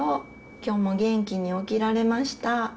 きょうも元気に起きられました。